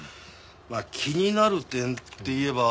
まあ気になる点っていえば。